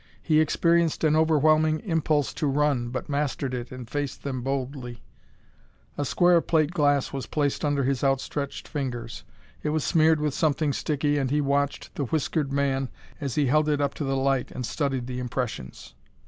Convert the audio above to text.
He experienced an overwhelming impulse to run, but mastered it and faced them boldly. A square of plate glass was placed under his outstretched fingers. It was smeared with something sticky and he watched the whiskered man as he held it up to the light and studied the impressions.